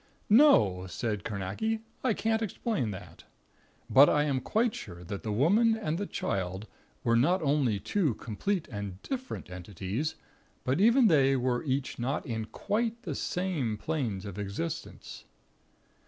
"No," said Carnacki, "I can't explain that. But I am quite sure that the Woman and the Child were not only two complete and different entities; but even they were each not in quite the same planes of existence.